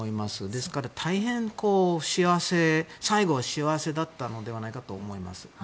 ですから大変、最後は幸せだったのではないかと思います。